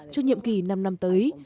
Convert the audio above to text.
cho nhiệm kỳ năm năm tới